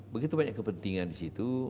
begitu banyak kepentingan di situ